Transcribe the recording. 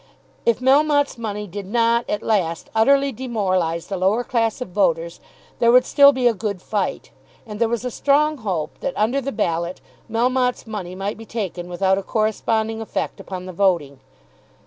If Melmotte's money did not, at last, utterly demoralise the lower class of voters, there would still be a good fight. And there was a strong hope that, under the ballot, Melmotte's money might be taken without a corresponding effect upon the voting.